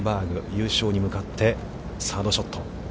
優勝に向かって、サードショット。